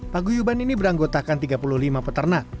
paguyuban ini beranggotakan tiga puluh lima peternak